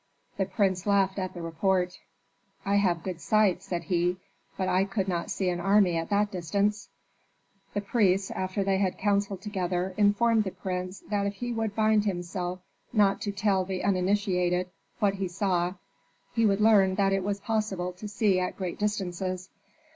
The prince laughed at the report. "I have good sight," said he, "but I could not see an army at that distance." The priests, after they had counselled together, informed the prince that if he would bind himself not to tell the uninitiated what he saw he would learn that it was possible to see at great distances.